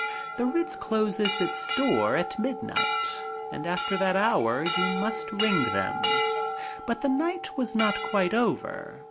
The Ritz closes its doors at midnight, and after that hour you must ring them. But the night was not quite over.